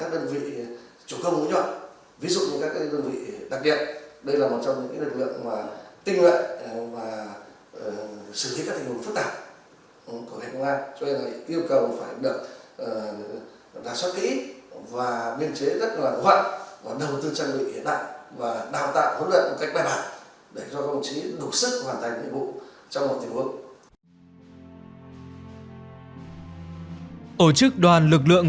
đoàn viên đoàn viên đoàn viên